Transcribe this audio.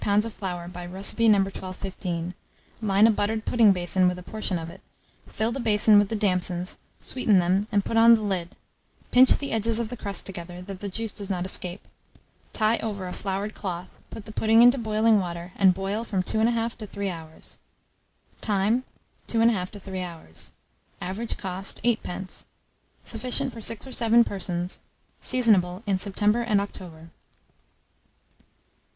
of flour by recipe No. 1215; line a buttered pudding basin with a portion of it; fill the basin with the damsons, sweeten them, and put on the lid; pinch the edges of the crust together, that the juice does not escape; tie over a floured cloth, put the pudding into boiling water, and boil from 2 1/2 to 3 hours. Time. 2 1/2 to 3 hours. Average cost, 8d. Sufficient for 6 or 7 persons. Seasonable in September and October.